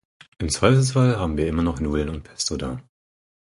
Im Zweifelsfall haben wir immernoch Nudeln und Pesto da.